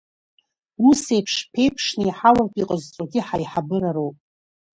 Усеиԥш ԥеиԥшны иҳауртә иҟазҵогьы ҳаиҳабыра роуп.